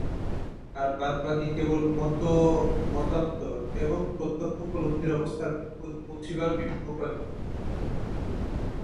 আর বাদবাকী কেবল মতমতান্তর এবং প্রত্যক্ষ উপলব্ধির অবস্থায় পৌঁছিবার বিভিন্ন উপায়মাত্র।